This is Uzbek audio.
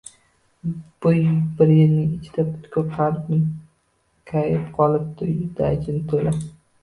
Bir yilning ichida butkul qarib, munkayib qolibdi. Yuzida ajin toʻla.